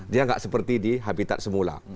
dia nggak seperti di habitat semula